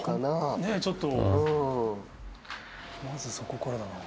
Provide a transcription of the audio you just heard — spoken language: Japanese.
ねぇちょっとまずそこからだな。